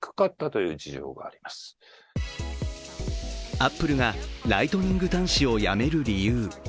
アップルがライトニング端子をやめる理由。